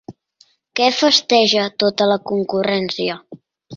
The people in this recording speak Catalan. Què festeja tota la concurrència?